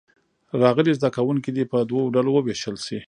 راغلي زده کوونکي دې په دوو ډلو ووېشل شي.